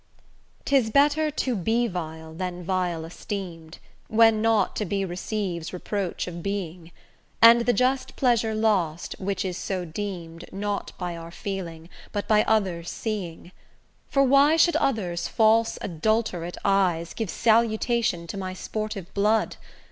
CXXI 'Tis better to be vile than vile esteem'd, When not to be receives reproach of being; And the just pleasure lost, which is so deem'd Not by our feeling, but by others' seeing: For why should others' false adulterate eyes Give salutation to my sportive blood?